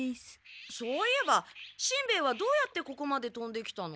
そういえばしんべヱはどうやってここまでとんできたの？